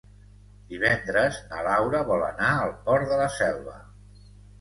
Divendres na Laura vol anar al Port de la Selva.